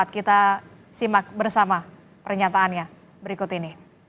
kita simak bersama pernyataannya berikut ini